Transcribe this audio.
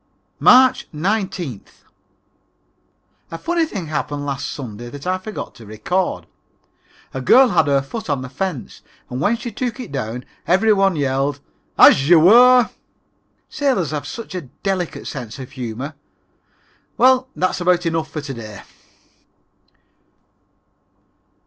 March 19th. A funny thing happened last Sunday that I forgot to record. A girl had her foot on the fence and when she took it down every one yelled, "As you were." Sailors have such a delicate sense of humor. Well, that's about enough for to day.